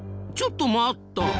ちょっと待った！